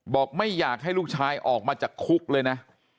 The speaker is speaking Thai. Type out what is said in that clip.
บอกไม่อยากให้ลูกชายออกมาจากคุกเลยนะ